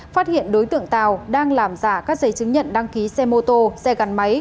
phát hiện đối tượng tàu đang làm giả các giấy chứng nhận đăng ký xe mô tô xe gắn máy